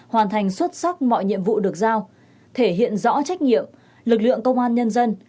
hoàn thành xuất sắc mọi nhiệm vụ được giao thể hiện rõ trách nhiệm lực lượng công an nhân dân